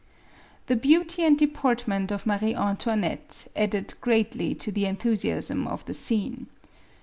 The beauty and deportment of Marie Antoinette added greatly to the enthusiasm of the scene.